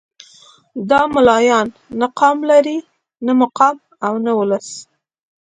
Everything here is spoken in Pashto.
دا ملايان نه قام لري نه مقام او نه ولس.